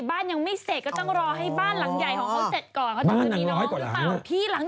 บ้านยังไม่เสร็จก็ต้องรอให้บ้านหลังใหญ่ของเขาเสร็จก่อน